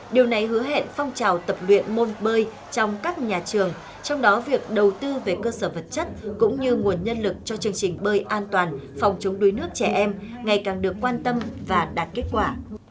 điều này hứa hẹn phong trào tập luyện môn bơi trong các nhà trường trong đó việc đầu tư về cơ sở vật chất cũng như nguồn nhân lực cho chương trình bơi an toàn phòng chống đuối nước trẻ em ngày càng được quan tâm và đạt kết quả